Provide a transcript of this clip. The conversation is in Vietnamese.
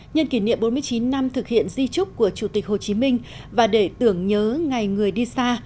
nhân kỷ niệm bốn mươi chín năm thực hiện di trúc của chủ tịch hồ chí minh và để tưởng nhớ ngày người đi xa